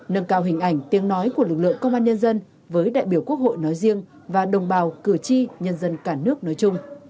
nâng cao hình ảnh tiếng nói của lực lượng công an nhân dân với đại biểu quốc hội nói riêng và đồng bào cử tri nhân dân cả nước nói chung